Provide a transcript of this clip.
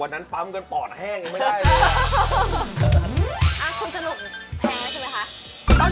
วันนั้นปั๊มกันปร่อนแห่งงไม่ได้เลย